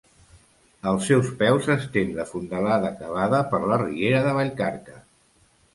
Als seus peus s'estén la fondalada cavada per la riera de Vallcarca.